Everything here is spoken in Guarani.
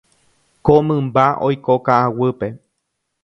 Ko mymba oiko ka'aguýpe.